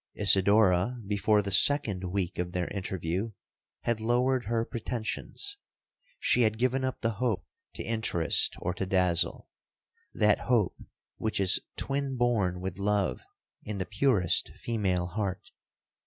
'Isidora, before the second week of their interview, had lowered her pretensions. She had given up the hope to interest or to dazzle—that hope which is twin born with love in the purest female heart.